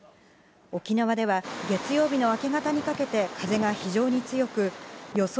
沖縄では月曜日の明け方にかけて風が非常に強く予想